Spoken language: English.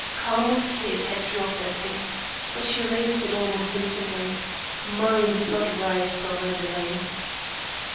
'" Carmel's head had drooped at this, but she raised it almost instantly. Mine did not rise so readily.